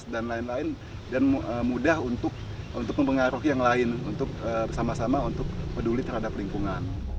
dan lain lain dan mudah untuk untuk mempengaruhi yang lain untuk bersama sama untuk peduli terhadap lingkungan